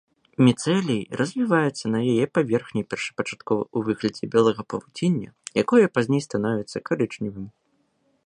Міцэлій развіваецца на яе паверхні першапачаткова ў выглядзе белага павуціння, якое пазней становіцца карычневым.